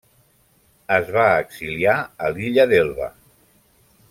Es va exiliar a l'illa d'Elba.